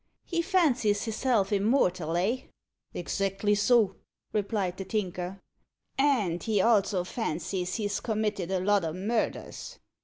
He fancies hisself immortal eh?" "Exactly so," replied the Tinker. "And he also fancies he's committed a lot o' murders?"